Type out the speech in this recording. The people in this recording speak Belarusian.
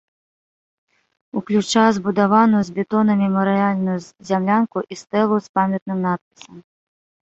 Уключае збудаваную з бетону мемарыяльную зямлянку і стэлу з памятным надпісам.